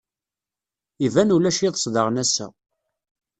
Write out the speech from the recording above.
Iban ulac iḍes daɣen ass-a.